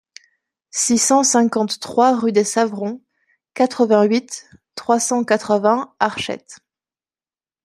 six cent cinquante-trois rue des Savrons, quatre-vingt-huit, trois cent quatre-vingts, Archettes